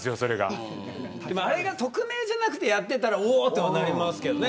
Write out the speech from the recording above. あれが匿名じゃなかったらおーってなりますけどね。